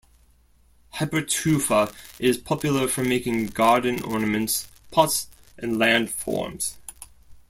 Hypertufa is popular for making garden ornaments, pots and land forms.